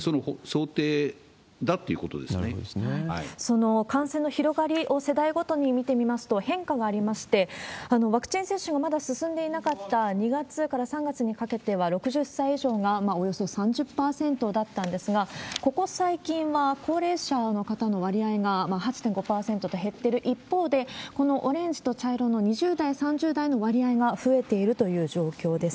その感染の広がりを世代ごとに見てみますと、変化がありまして、ワクチン接種のまだ進んでいなかった２月から３月にかけては、６０歳以上がおよそ３０％だったんですが、ここ最近は高齢者の方の割合が８．５％と減っている一方で、このオレンジと茶色の２０代、３０代の割合が増えているという状況です。